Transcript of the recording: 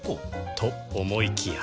と思いきや